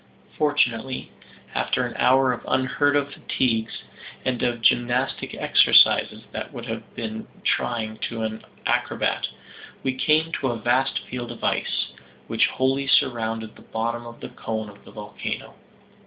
Fortunately, after an hour of unheard of fatigues, and of gymnastic exercises that would have been trying to an acrobat, we came to a vast field of ice, which wholly surrounded the bottom of the cone of the volcano.